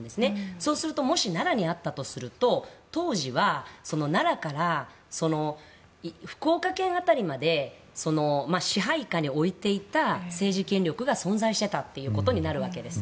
そうするともし奈良にあったとすると当時は奈良から福岡県辺りまで支配下に置いていた政治権力が存在していたということになるわけです。